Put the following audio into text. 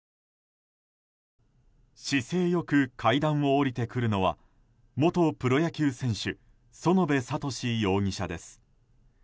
姿勢良く階段を下りてくるのは元プロ野球選手園部聡容疑者です。